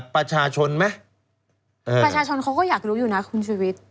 ประชาชนเขาก็อยากรู้อยู่นะคุณชีวิต